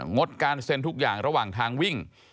งดการเซ็นทุกอย่างระหว่างทางวิ่ง